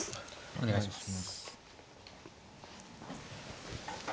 お願いします。